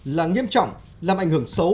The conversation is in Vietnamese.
là nghiêm trọng làm ảnh hưởng xấu